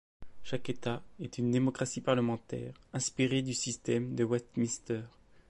Chaque État est une démocratie parlementaire inspiré du système de Westminster.